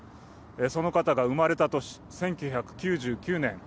その方が生まれた年、１９９９年。